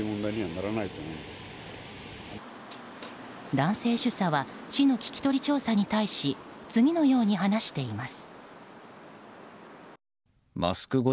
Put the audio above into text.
男性主査は市の聞き取り調査に対し次のように話しています。